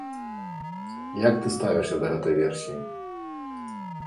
Як ты ставішся да гэтай версіі?